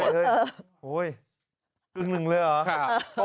เฮ้ยเกินกึ่งหนึ่งเลยเหรอ